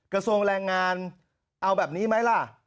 กระทรวงแรงงานเอาแบบนี้ไหมล่ะ